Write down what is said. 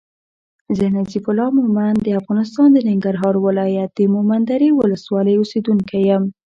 زه نظیف الله مومند د افغانستان د ننګرهار ولایت د مومندرې ولسوالی اوسېدونکی یم